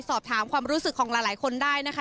สอบถามความรู้สึกของหลายคนได้นะคะ